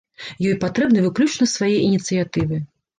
Ёй патрэбны выключна свае ініцыятывы.